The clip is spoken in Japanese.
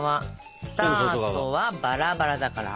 スタートはバラバラだから。